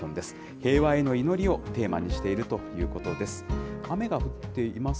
平和への祈りをテーマにしているということです。